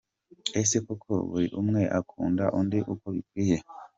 Ese koko buri umwe akunda undi uko bikwiye.